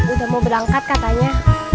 udah mau berangkat katanya